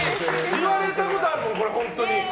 言われたことある、本当に。